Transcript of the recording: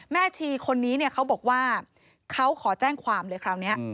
ชีคนนี้เนี่ยเขาบอกว่าเขาขอแจ้งความเลยคราวนี้